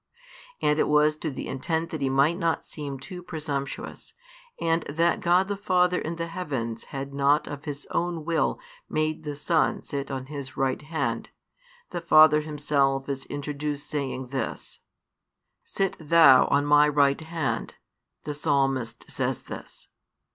And it was to the intent that He might not seem too presumptuous, and that God the Father in the heavens had not of His own will made the Son sit on His right hand, the Father Himself is introduced saying this: Sit Thou on My |347 right hand, the Psalmist says this.